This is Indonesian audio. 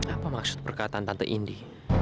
apa maksud perkataan tante indi